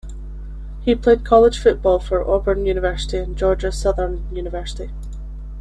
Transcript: He played college football for Auburn University and Georgia Southern University.